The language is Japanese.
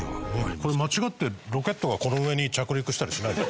これ間違ってロケットがこの上に着陸したりしないんですか？